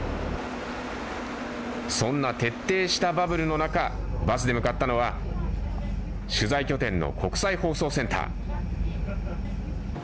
そんな徹底したバブルの中バスで向かったのは取材拠点の国際放送センター。